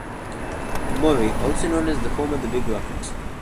Moree also known as the Home of the Big Rocket.